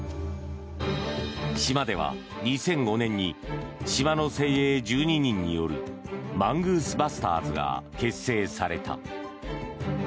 島では２００５年に島の精鋭１２人によるマングースバスターズが結成された。